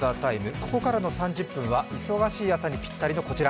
ここからの３０分は忙しい朝にぴったりのこちら。